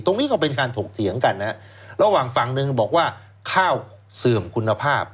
ตรงนี้ก็เป็นการถกเถียงกันนะฮะระหว่างฝั่งหนึ่งบอกว่าข้าวเสื่อมคุณภาพ